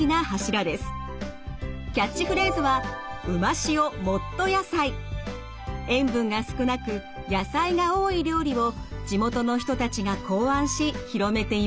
キャッチフレーズは塩分が少なく野菜が多い料理を地元の人たちが考案し広めています。